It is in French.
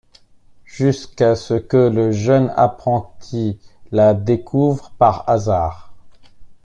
Jusqu'à ce que le jeune apprenti la découvre par hasard.